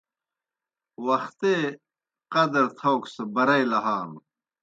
وختے قدر تھاؤک سہ برَئی لہانوْ